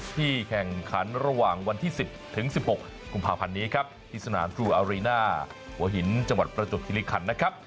แข่งขันระหว่างวันที่๑๐ถึง๑๖กุมภาพันธ์นี้ครับที่สนามทรูอารีน่าหัวหินจังหวัดประจวบคิริคันนะครับ